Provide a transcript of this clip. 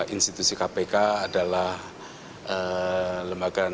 institusi kpk adalah lembaga